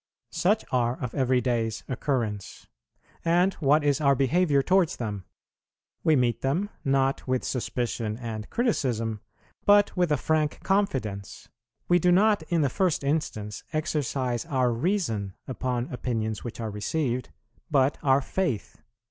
Such are of every day's occurrence; and what is our behaviour towards them? We meet them, not with suspicion and criticism, but with a frank confidence. We do not in the first instance exercise our reason upon opinions which are received, but our faith.